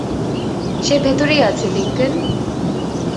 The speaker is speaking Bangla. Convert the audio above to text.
সে ভেতরেই আছে, লিংকন।